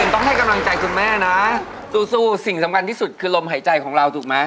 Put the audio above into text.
ต้องให้กำลังใจคุณแม่นะสู้สิ่งสำคัญที่สุดคือลมหายใจของเราถูกไหม